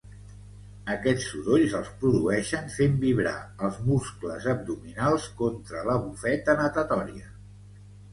Aquests sorolls els produeixen fent vibrar els muscles abdominals contra la bufeta natatòria.